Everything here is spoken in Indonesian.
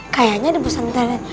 kayaknya di pusat internet